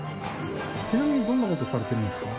ちなみにどんな事をされてるんですか？